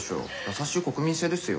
優しい国民性ですよ？